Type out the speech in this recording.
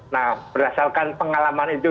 nah berdasarkan pengalaman itu